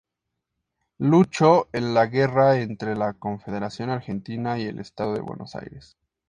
Luchó en la guerra entre la Confederación Argentina y el Estado de Buenos Aires.